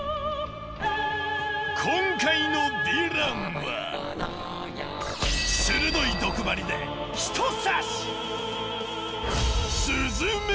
今回のヴィランは鋭い毒針で一刺し！